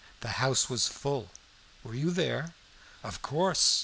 "The house was full. Were you there?" "Of course.